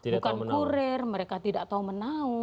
bukan kurir mereka tidak tahu menau